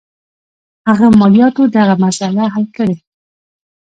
هغه مالیاتو دغه مسله حل کړي.